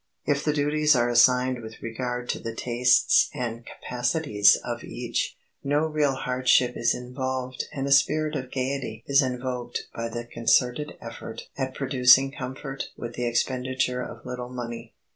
If the duties are assigned with regard to the tastes and capacities of each, no real hardship is involved and a spirit of gaiety is invoked by the concerted effort at producing comfort with the expenditure of little money.